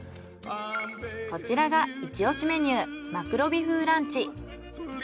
こちらがイチオシメニューマクロビ風ランチ。